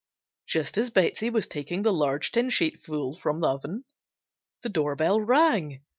Just as Betsey was taking the large tin sheet full from the oven, the door bell rang.